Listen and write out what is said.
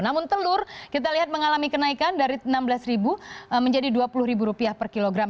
namun telur kita lihat mengalami kenaikan dari rp enam belas menjadi rp dua puluh per kilogram